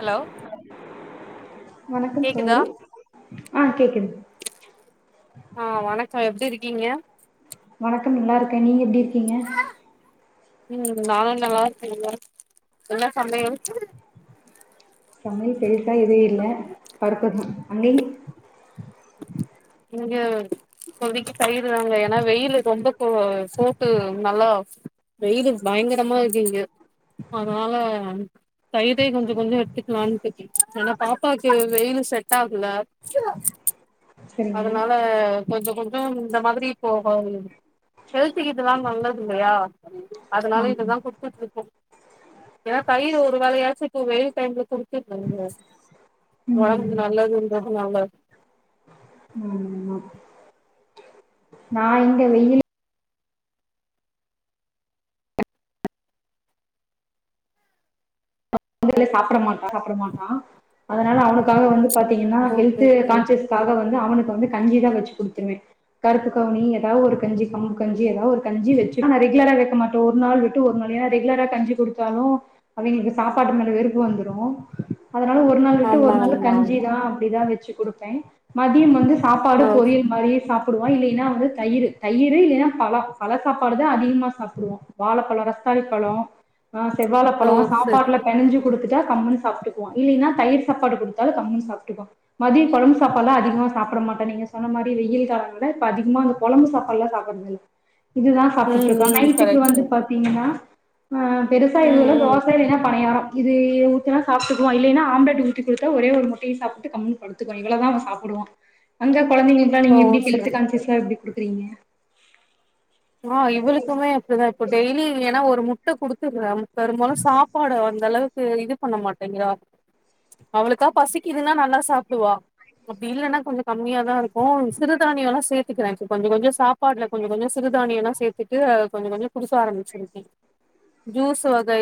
hello வணக்கம் கேக்குதா சகோதரி ஆஹ் கேக்குது ஆஹ் வணக்கம் எப்படி இரு க்கீங்க வணக்கம் நல்லா இருக்கே நீங்க எப்படி இருக்கீங்க உம் நானு நல்லா இருக்கேங்க என்ன சமையல் சமய பே எது இல்ல படுத்தர்னு அண்ணி இங்க இப்போதைக்கு தயிரு தாங்க ஏன்னா வெயிலு ரொம்ப கோ போட்டு நல்லா வெயிலு பயங்கரமா இருக்கு இங்க அதனால தயிரே கொஞ்ச கொஞ்ச எடுத்துக்கலான்னுட்டு ஏன்னா பாப்பாக்கு வெயிலு செட் ஆகல சரிங்க அதனால கொஞ்ச கொஞ் இந்த மாதிரி போ [unintelligible] ஹெல்த்துக்கு இதல்லா நல்லது இல்லையா அதனால ஆமா இதுதா குடுத்துட்டு இருக்கோ ஏனா தயிர் ஒரு வேலையாச்சு இப்போ வெ தவங்களுக் குடிக்க [inaudible] கிளாஸு ம் ஒடம்புக்கு நல்லதுன்றதுனால ம் ஆமா நா இங்க வெயிலு வெளில சாப்ட மா சாப்பட மாட்டா அதனால அவனுக்காக வந்து பாத்திங்கன்னா ஓகே ஹெல்த்து ஓகே கான்சியஸ்காக வந்து அவனு க்கு வந்து கஞ்சிதா வெச்சு குடுத்துருவே கருப்பு கவுனி ஏதா ஒரு கஞ்சி கம்பு கஞ்சி ஏதா ஒரு கஞ்சி வெச்சு ஆனா ரெகுலரா வெக்க மாட்டோ ஒரு நாள் விட்டு ஒரு நாள் ஏனா ரெகுலரா கஞ்சி குடுத்தாலு அவிங்களுக்கு சா ப்பாடு மேல வெறுப்பு வந்துடு அதனால ஒரு நாள் விட்டு ஆமா ஒரு நாள்ல ஆமா கஞ்சிதா அப்படிதா வெச்சு குடுப்பே மதியம் வந்து சாப்பாடு ஓ பொறியல் மாரி சாப்டுவான் இல்லைன்னா வந்து தயிரூ தயிரூ இல்லைன்னா பழ பழ சாப்பாடுதான் அதிகமா சாப்டுவோம் வாழைப்பழ ரஸ்த்தாளி பழ ஆ செவ்வாழ ஓ பழம் சரி சாப்பாடுல கஞ்சி குடுத்துட்டா கம்முன் சாப்டுக்குவா இல்லினா தயிர்சாப்பாடு குடுத்தாலு கம்முனு சாப்டுக்குவா மதிய கொழம்பு சாப்பாடுலா அதிகமா சாப்பிட மாட்டா நீங்க சொன்ன மாரி வெயில் கால இல்ல இப்ப அதிகமா அந்த கொழம்பு சாப்பாடுல்லா சாப்பிடறது இல்ல இதுதான் சாப்டுட்டு ம் இருக்கோ ம் நைட்டுக்கு கரெக்ட் வந்து பாத்தீங்கன்னா ஆ பெருசா எது ம் இல்ல ம் தோசை இல்லைனா பணியார இது ஊத்துனா சாப்டுக்குவா இல்லைன்னா ஆம்லட் ஊத்திக் குடுத்த ஒரே ஒரு முட்டையை சாப்பிட்டு கம்முன் படுத்துக்குவா இவ்ளதா அவ சாப்பிடுவா அங்க கொழந்தைங்களுக்குலா ஓ நீங்க எப்டி ஹெல்த் சரி கான்சியஸ்லா எப்டி குடுக் க்கறிங்க ஆ இவளுக்குமே அப்டிதா இப்ப டெய்லி ஏன்னா ஒரு மு ட்ட குடுத்துடறே பெரும்பாலு சாப்பாடு அந்த அளவுக் து இது பண்ண மாட்டேங்கிறா அவளுக்கா பசிக்குதுன்னா நல்லா சாப்பிடுவா அப்டி இல்லன்னா கொஞ்சோ கம்மியா தா இருக்கு சிறுதானியெல்லா சேத்துக்கிறே கொஞ்சோ கொஞ்சோ சாப்பாடுல கொஞ்சோ கொஞ்சோ சிறுதானியனெலா சேத்துட்டு கொஞ்ச கொஞ்ச குடுக ஆரம்பிச்சிருக்கே ஜூஸ் வகை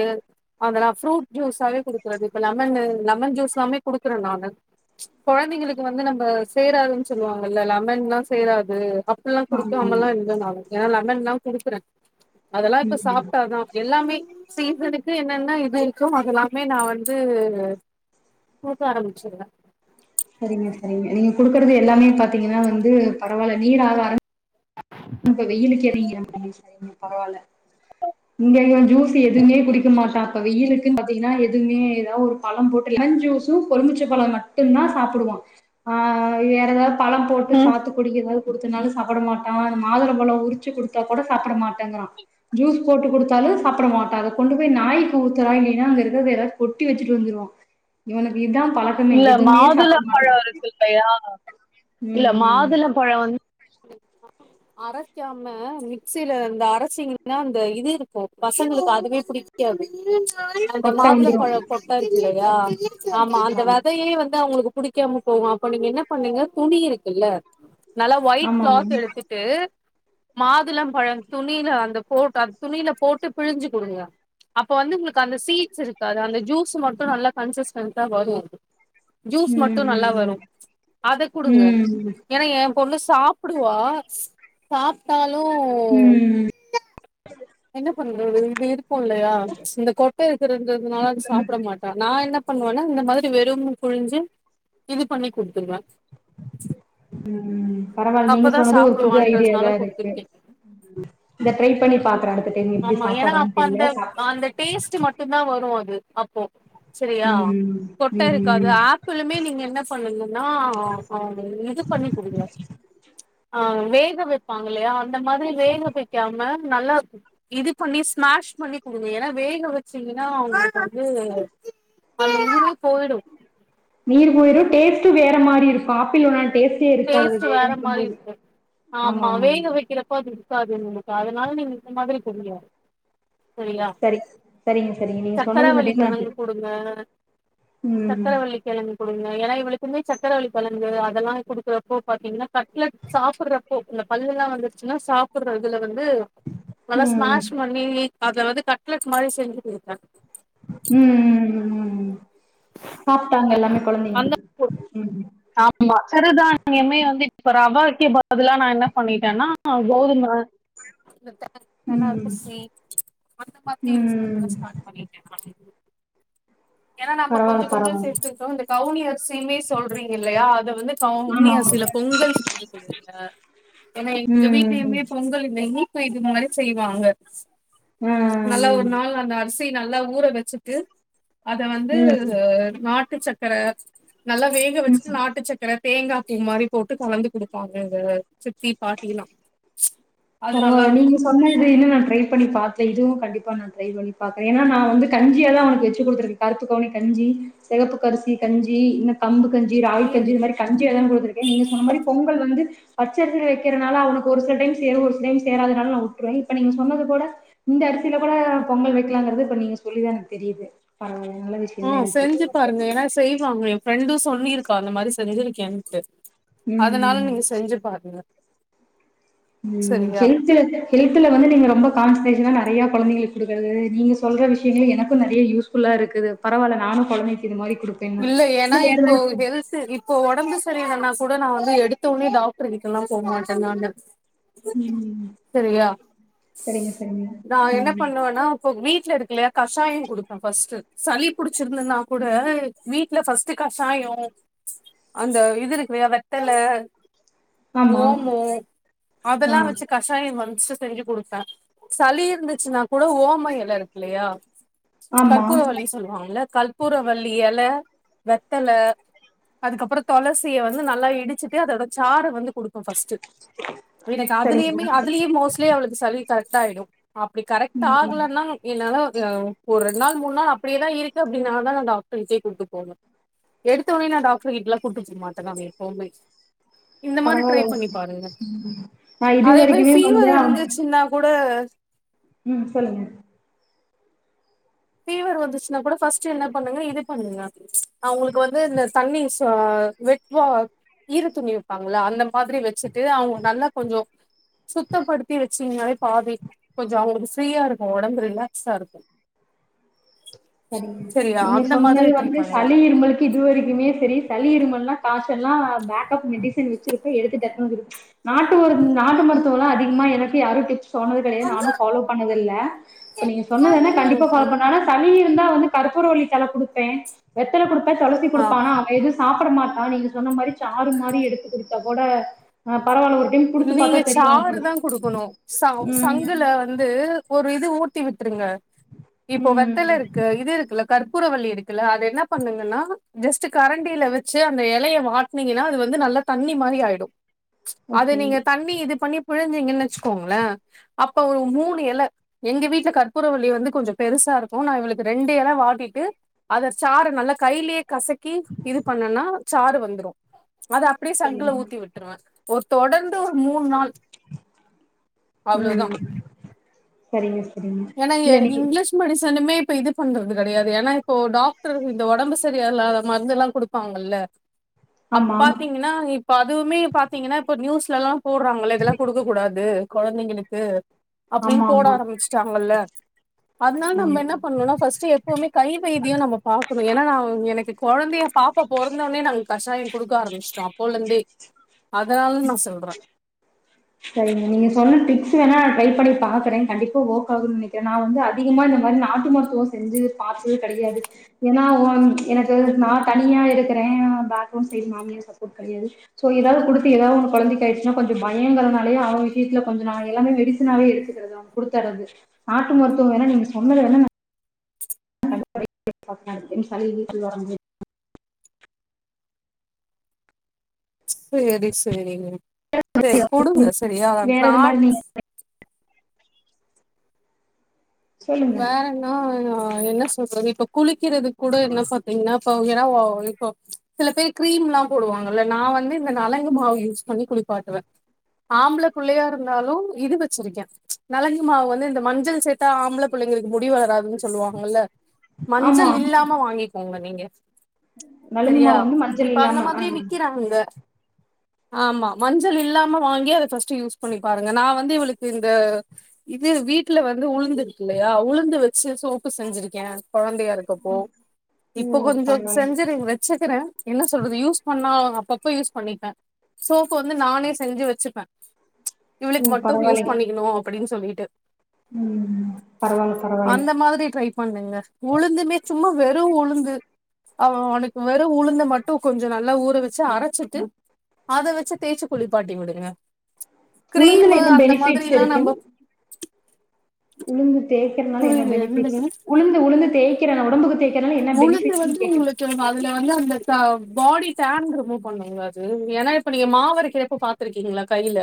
அதெல்லா ஃப்ரூட் ஜூஸாவே குடுக்கறது இப்ப லெமனு லெமன் ஜூஸ்லாமே குடுக்குறே நானு கொழந்தைங்களுக்கு வந்து நம்ம சேராதுன்னு சொல்லுவாங்கல்ல லெமன் லா சேராது அப் எல்லா ஆமா ஆமா குடுக்காமெல்லா இல்ல நானு ஏன்னா லெமன்லா குடுக்குறே அதெல்லா இப்ப ம் சாப்டாதா எல்லாமே சீசனுக்கு என்னென்ன இது இருக்கோ அதெல்லாமே நா வந்து குடுக்க ஆரம்பிச்சிருவே சரிங்க சரி நீ நீங்க குடுக்கறது எல்லாமே பாத்தீங்கன்னா வந்து பரவால்ல நீர் ஆகாரம் [unintelligible] இப்ப வெயிலுக்கு [unintelligible] முடிய சரிங்க பரவால்ல இங்க இவன் ஜூஸ் எதுவுமே குடிக்க மாட்டா அப்ப வெயிலுக்கு தின் பாத்தீங்கன்னா எதுவுமே ஏத ஒரு பழம் போட்டு லெமன் ஜூஸும் பொலுமிச்ச பழம் மட்டும்தா சாப்பிடுவா ஆ வேற ஏதாது பழம் போட்டு ம் சாத்து குடி ஏதா கொடுத்தனாலு சாப்புட மாட்டா மாதுளம் பழோ உரிச்சு குடுத்தா கூட சாப்புட மாட்டேங்குரா ஜூஸ் போட்டு குடுத் லு சாப்புட மாட்டா அத கொண்டு நாய்க்கு ஊத்தறா இல்லன்னா [unintelligible] கொட்டி வெச்சிட்டு வந்துருவா இவனுக்கு இதா பழக்கமே இல்ல எதுவுமே சாப்பிட மாதுளம் மாட்டே பழோ இருக்கு இல்லையா இல்ல ம் ம் மாதுளம் பழோ வந் அரைக்காம மிக்சில இந்த அரச்சிங்கனா ந்த இது இருக்கு பசங்களுக்கு அதுவே புடிக்காது அந்த கொட்ட வந்துரு மாதுளம்பழ கொட்டா இருக்கில்ல யா ஆமா வெதையே வந்து அவுங்ளுக்கு புடிக்காம போவோ அப்ப நீங்க என்ன பண்ணுங்க துணி இருக்குல்ல நல்லா ஒயிட் ஆமா கிளாத் ம் எடுத்துட்டு மாதுளம் பழ துணில அந்த போட்டு துணில போட்டு பிழிஞ்சி குடுங்க அப்ப வந்து உங்ளுக்கு அந்த சீட்ஸ் இருக்காது அந்த ஜூஸ் மட்டோ நல்லா கன்சிஸ்டன்டா வரு ஜூஸ் மட்டோ நல்லா ம் வரோ அத குடுங்க ம் ஏன்னா எம் பொண்ணு சாப்டுவா சாப்டா ம் என்ன கேக்குறே [unintelligible] னால சாப்பு மாட்டா நா என்னப் பண்ணுவேன்னா இந்த மாதிரி வெறுமன புழிஞ்சி இது பண்ணி குடுத்துருவ ம் பரவால்ல நீங்க அப்பதா சொன்னது ஒரு புது ஐடியாதா சாப்புடுவான்றதுனால இருக்கு குடுத்துருக்கே இத ட்ரை பண்ணி பாக்குறே அடுத்த டைம் எப்டி ஆமா ஏன்னா சாப்பற்றான் அப்ப அந்த தெர்லா அந்த டேஸ்ட் மட்டுந்தா வரு அது அப்போ செரியா கொட்ட இருக்காது ம் ஆப்பிளுமே நீங்க என்ன பண்ணுங்கன்னா ஆ இது பண்ணி குடுங்க ஆ வேக வெப்பாங்க இல்லயா அந்த மாரி வேக வைக்காம நல்லா இது பண்ணி ஸ்மாஷ் பண்ணி குடுங்க ஏன்னா வேக வெச்சீங்கன்னா அவுங்களுக்கு வந்து [unintelligible] போய்டோ போய்ரு டேஸ்ட்டு வேற மாரி இருக்கோ ஆப்பிலோட அந் டேஸ்ட்டு வேற மாரி இருக்கூ ஆமா ஆம்மா ஆமா வேக வெக்கிறப்ப அதோ க்காது நமக்கு அதனால நீங்க இந்த மாரி குடிங்க செரியா சரி சரிங்க சரிங்க நீங்க சொன்னது இந்த சக்கரவல்லி டைம் நா கெழங்கு குடுங்க ம் சக்கரவல்லி கெழங்கு ஏன்னா இவளுக்கு வந்து சக்கர வல்லி கெழங்கு அதல்லா குடுக் றப்போ பாத்தீங்கன்னா கட்லெட் சாப்புறப்போ இந்த பல்லுல்லா வந்துருச்சுன்னா சாப்புட்ற இதுல வந் இது ம் நல்லா ம் ஸ்மஷ் பண்ணி அதுல வந்து கட்லெட் மாரி செஞ்சு குடுப்பே ம் ம் ம் சாப்டாங்க எல்லாமே கொழந்தைங்க அந்த உம் ஆமா சிறுதான்யமே வந்து இப்ப ரவாக்கி பதிலா நா என்ன பண்ணிட்டேன்னா கோதும தென ம் அரிசி அந்த மாரி யூஸ் பண்ண ம் ஸ்டார்ட் பண்ணிட்ட நா [inaudible] என நம்மோ பரவால்ல கொஞ்சோ கொஞ்சோ பரவால்ல சேத்துக்டோ இந்த கவுனிய [unintelligible] செய்விங் இல்லயா அத வந்து ஆமா கவுனியரிசில பொங்கல் செஞ்சு குடுங்க ஏன்னா எங்க ம் வீட்லயுமே பொங்கல் நெய்யி இது மாரி செய்வாங்க ஆ நல்ல ஒரு நாள் அந்த அர்ஸ் அரிசி நல்லா ஊற வச்சுட்டு அத வந்து ம் நாட்டு ச ற நல்லா ஊற வச்சுட்டு ம் நாட்டு சக்கர தேங்கா இந்த மாரி போட்டு கலந்து குடுப்பாங்க இங்க சித்தி பாட்டில்லா பரவால்ல நீங்க சொன்னது இன்னு நா ட்ரை பன்னி பாத்தே இதுவு கண்டிப்பா நா ட்ரை பன்னி பாக்ற என்னா நா வந்து கஞ்சியெல்லா வச்சிகுடுத்தூர் கருப்புகவுனிகஞ்சி சிவபுகரிசிகஞ்சி கம்பு கஞ்சி ராய கஞ்சி ம் இந்த மாரிகஞ்சி இல்ல போட்டுருக்கே நீங்க சொன்ன மாரி பொங்கல் வந்து பச்சரிசி வைக்கிறனால அவனுக்கு ஒரு சில டைம் சே இந்த டைம் சேராதுனால் நா விட்டுருவேன் இப்ப நீங்க சொன்னது கூட இந்த அடுத் சில பல பொங்கல் வைக்கலங்றது இப்ப நீங்க சொல்லிதா எனக்கு தெரிது பரவலா ஆஹ செஞ்சு பாருங்க என்னா செய்வாங்க என் ஃப்ரெண்டு சொல்லியிருக்கா அந்த மாரி செஞ்சிருகன்ட்டு ம் அதனால ம் நீங்க செஞ்சு பாருங்க உம் சரியா ஹெல்த்ல ஹெல்த்ல வந்து நீங்க ரொம்ப கான்சன்ட்ரேஷன நறைய குழந்தைங்களுக்கு குடுக்குறது நீங்க சொல்ற விஷயங்கள் எனக்கு நிறைய யூஸ்புல்லா இருக்கு பரவால்ல நானு குழந்தைக்கு இது மாரி குடுப்பே இன்னு இல்ல ஏன்னா வேற இப்போ ஏதாவது ஹெல்த் இப்போ உடம்பு சரியிலண்ணா கூட நா வந்து எடுத்த உனே டாக்டர் கிட்டல்லா போ மாட்ட நானு ம் சரியா சரிங்க சரிங்க நா என்ன ம் பண்ணுவேன்னா இப்ப வீட் வீட்ல இருக்லயா கஷாய குடுப்ப பர்ஸ்ட் சளி புடிச்சிருந்தன்னா கூட வீட்ல ஃபர்ஸ்டு கஷாயோ அந்த இது இருக்குலியா வெத்தல ஆமா ஓமோ அதெல்லா ஆ வெச்சு கஷாய [unintelligible] செஞ்சு குடுப்ப சளி இருந்துச்சுன்னா கூட ஓம எல இருக்குல்லையா ஆமா கற்பூரவல்லி சொல்வாங்கல்ல க பூரவல்லி எல வெத்தல அதுக்கப்பறோ தொளசிய வந்து நல்லா இடிச்சிட்டு அதோட சாறு வந்து கொடுப்போ ஃபஸ்ட்டு எனக்கு சரிங்க அதுலியுமே அதுலியே மோஸ்லி அவ்ளுக்கு சளி தத்தாயிடு அப்டி கரெக்ட் ம் ஆகலன்னா என்னால ஒரெண்நாள் மூண்நாள் அப்டியேதா இருக்கு அப்டினா தா நா டாக் ட்டே கூப்ட்டு போவ எடுத்தொனே நா டாக்ரு கிட்ல்லா கூப்ட்டு போ மாட்டேங்க‌ நா எப்போமே இந்த மாரி ட்ரை பரவால்ல பண்ணி பாருங்க நா இது அதே மா வரைக்குமே வந்து பீவர் அவன இருந்துச்சின்னா கூ [unintelligible] ம் சொல்லுங்க ஃபீவர் வந்துச்ன்னா கூட ஃபஸ்ட்டு என்ன பண்ணுங்க இது பண்ணுங்க ச்ச் அவுங்குளுக்கு வந்து இந்த தண்ணி சு அ வெட்வா ஈர துணி வெப்பாங்கள அந்த மாதிரி வெச்சு ட்டு அவுங்க நல்லா கொஞ்சோ சுத்தப்படுத்தி வெச்சிங்னாலே பாதி கொஞ்சோ அவுங்ளுக் ஃப்ரீயா இருக்கோ ஒடம்பு ரிலாக்ஸா ருக்கோ செரிங்க நீங்க அந்த மாதிரி சொன்னது ட்ரை வந்து பண்ணுங்க சளி இருமலுக்கு இதுவரிக்குமே செரி சளி இருமல்னா காசெல்லா பேக்கப் மெடிசன் வெச்சுருப்ப எடுத்து டக்குனு [unintelligible] நாட்டு மரு நாட்டு மருத்துவ லா அதிகமா எனக்கு யாரு டிப்ஸ் சொன்னது கெடயா நானு ஃபாலோ பண்ணதில்ல ப்ப நீங்க சொன்னது வேணா கண்டிப்பா ஃபாலோ பண்ற ஆனா சளி இரு தா வந்து கற்பூரவள்ளி தல குடுப்பே வெத்தல குடு தொளசி ஆ குடுப்ப ஆனா அவ எது சா சாப்புட மாட்டா நீங்க சொன்ன மாரி சாறு மாரி எடுத்து குடு [unintelligible] நீங்க சாறு தா குடுக்கணு ச ம் சங்குல வந்து ஒரு இது ஊத்தி விட்ருங்க இப்போ வெத்தல ம் இருக்கு இது இருக்குல கற்பூரவள்ளி இருக்குல்ல அது எனன்ன பண்ணுங்கன்னா ஜஸ்ட் கரண்டில வெச்சு அந்த எலைய வாட்னீங்கன்னா அது வந்து நல்லா தண்ணி மாரி அயிடோ அது நீங்க ஓகேங்க தண்ணி இது பண்ணி புழுஞ்சிங்கன்ன வச்சுக்கோங்ள அப்ப ஒரு மூணு எல எங்க வீட்ல கற்பூரவல்லி வந்து கொஞ்சோ பெருசா இருக்கோ நா இவுளுக்கு ரெண்டு எல வாட்டிட்டு அத சாறு நல்லா கைலியே கசக்கி இது பண்ணோன்னா சாறு வந்துரோ அத அப்டே சங்குல சரிங்க ஊத்தி விட்ருவ ஒர் தொடந்து ஒ மூண் நாள் அவ்ளோதா ம் செரிங்க ஏன்னா [unintelligible] இங்லிஷ் மெடிசனுமே இப்ப இது பண்றது கெடையாது ஏன்னா இப்போ டாக்டர் இந்த ஒடம்பு சரியால்லாத மருந்து எல்லா குடுப்பாங்கல்ல ஆமா பாத்தீங்கன்னா இப்ப அதுவுமே பாத்தீங்கன்னா இப்ப நியூஸ் லலா போட்றாங்க ல இதெல்லா குடுக்கக் கூடாது கொழந்தைங்களுக்கு ஆமா அப்டின் போட ஆமா ஆரம்பிச் ப்பல்ல அத்னால நம்ம ம் என்ன பண்ணும்னா ஃபஸ்ட்டு எப்புவுமே கை வைத்தியோ நம்ம பாக்கணு ஏன்னா நா எனக்கு கொழந்தைய பாப்பா பொறந்தவுனே நாங்க கசாயு குடுக்க ஆரம்பிஷ்டோ அப் கொழந்தே அதானல நா சொல்றே சரிங்க நீங்க சொன்ன டிப்ஸ் வேணா ட்ரை பண்ணி பாக்குறே கண்டிப்பா ஒர்க் ஆகும்னு நெனைக்கிறே நா வந்து அதிகமா இந்த மாரி நாட்டு மருத்துவோ செஞ்சு பாத்து கெடைகாது ஏன்னா ஆ ம் எனக்கு ம் நா தனியா இருக் க்குறே பேக்ரவுண்ட் சைட் மாமியார் சப்போர்ட் கிடையாது சோ ஏதாவது குடுத்து ஏதாவது ஒன்னு கொழந்தைக்கு ஆயிடுச்சின்னா கொஞ்சம் பய பயங்கறனாலே அவ விஷயத்துல கொஞ்சம் நாங்க எல்லாமே மெடிசனாவே எடுத்துகிறது குடுத்துறது நாட்டு மருத்துவம் வேணா நீங்க சொன்னத வேணா நா [unintelligible] சேரி சேரிங்க சரி குடுங்க சரியா வேற எது மாரி [unintelligible] நீங்க சொல்லுங்க வேற இன்னா ஆ அங்க என்ன சொல்றது இப்ப குளிக் க்கிறது கூட என்ன பாத்தீங்ன்னா இப்போ ஏன்னா ஓ இப்போ சில பேர் கிரீம் லா போடுவாங்கல்ல நா வந்து இந்த நலங்கு மாவு யூஸ் பண்ணி குளிப்பாட்டுவே ஆம்பள புள்ளையா இருந்தாலு இது வெச்சிருக்கே நலங்கு மாவு வந்து இந்த மஞ்சள் சேத்தா ஆம்புள புள்ளைங்களுக்கு முடி வளராதுன்னு சொல்லுவாங்கல்ல மஞ்சள் இல்லாம வாங்கிக்கோங்க நீங்க நலங்கு சரியா மாவு வந்து மஞ்சள் இப்ப அந்த இல்லாம ஆ மாதிரி விக்கிறாங்க ஆமா மஞ்சள் இல்லாம வாங்கி அத ஃபர்ஸ்ட் யூஸ் பண்ணி பாருங்க நா வந்து இவுளுக்கு இந்த இது வீட்ல வந்து உளுந்து இல்லையா உளுந்து வெச்சு சோப்பு செஞ்சிருக்கே கொழந்தையா இருக்கப்போ ஓ இப்போ கொஞ்சோ பரவால்லைங் செஞ்சுரு வெச்சுக்குறே என்ன சொல்றது யூஸ் பண்ணா அப் அப்பப்ப யூஸ் பண்ணிப்பே சோப்பு வந்து நானே செஞ்சு வச்சுப்பே இவளுக்கு ஓ மட்டு யூஸ் பரவால்லைங் பண்ணிக்ணு அப்டின்னு சொல்லி ட்டு ம் பரவால்ல பரவால்லைங் அந்த மாதிரி ட்ரை பண்ணுங்க உளுந்துமே சும்மா வெறு உளுந்து அவனுக்கு வெறு உளுந்த மட்டு கொஞ்சோ நல்லா ஊற வச்சி அரைச்சிட்டு அத வச்சி தேச்சி குளிப்பாட்டி விடுங்க உளுந்துல கிரீமு என்ன அந்த பெனிஃபிட்ஸ் மாதிரிலா இருக்கு நம்ப உளுந்து தேய்கிறனால என்ன புரியலையே பெனிஃபிட்ஸ் என்னதுங்க உளுந்து உளுந்து தேய்க்கிற உடம்புக்கு தேய்கிறனால என்ன பெனிஃபிட்ஸ்னு கேட்டே இந்த பாடி டான் ரிமூவ் பண்ணுங்க அது ஏன்னா இப்ப நீங்க மாவ அறைகிறபோ பாத்துருக்கீங்களா கையில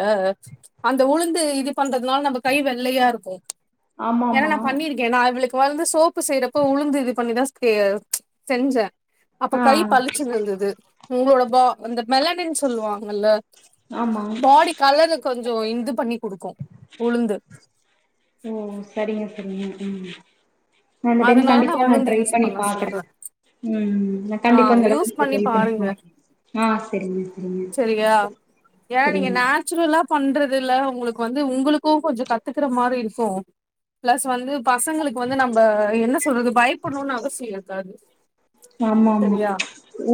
அந்த உளுந்து இது பண்றதுனால நம்ம கை வெள்ளையா இருக்கும் ஆமா ஏன்னா ஆமா ந பண்ணிருக்கே நவளுக்க அதுவந்து சோப்பு செய்யிறப்ப உளுந்து இது பண்ணிதா செஞ்ச அப்ப ஆ கை பளிச்சுனு இருந்தது உங்களோடம்ப வந்த மெலனன்னு சொல்லுவாங்கல்ல ஆமா பாடி கலரு கொஞ்சம் இது பண்ணி கொடுக்கும் உளுந்து ஓ சரிங்க உ உம் ந இந்த டைம் அதனால நா கண்டிப்பா உளுந்து டிரை யூஸ் பண்ணி பண்ண பாக்குறே சொல்றே உ ஆ யூஸ் பண்ணி பாருங்க கண்டிப்பா ஆஹ் சரிங்க சரிங்க சரியா ஏன்னா நீங்க சரிங்க நேச்சுரலா பண்றது ல உங்களுக்கு வந்து உங்களுக்கும் கொஞ்சம் கத்துக்கற மாரி இருக்கும் பிளஸ் வந்து பசங்களுக்கு வந்து நம்ம என்ன சொல்றது பயப்படும்னு அவசியம் இருக்காது ஆமா சரியா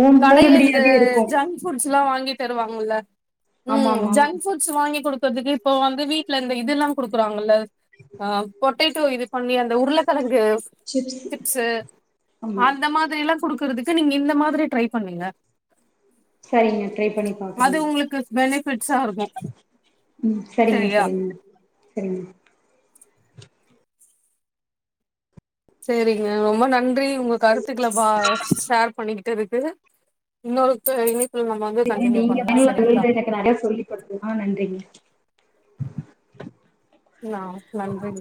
ஆமா போறபடியாவே இருக்கும் ல்லாம் வாங்கி தருவாங்கல உம் ஆமா ஜங்க் ஃபுட்ஸ் வாங் கொடு இப்போ வந்து வீட்டுல இந்த இதெல்லாம் கொடுக்குறாங்கல்ல பொட்டேட்டோ இது பண்ணி அந்த உருளைக்கிழங்கு சிப்ஸ் சிப்ச் ஆமா அந்த மாதிரெல்லாம் கொடுக்க கொடுக்கிறதுக்கு நீங்க இந்த மாதிரி டரை பண்ணுங்க சரிங்க ட்ரை பண்ணி அது பாக்குறேங்க உங்களுக்கு பெனிஃபிட்ஸா இருக்கு ம் சரிங்க சரியா சரிங்க சரிங்க சரிங்க ரொம்ப நன்றி உங்க கருத்துக்களை ஷேர் பண்ணிகிட்டதுக்கு இன்னொருத்த சரி நீங்க வில தொழ எனக்கு நிறைய சொல்லிக்கொடுத்து நன்றிங்க ஆஹ நன்றி